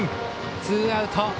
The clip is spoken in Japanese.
ツーアウト。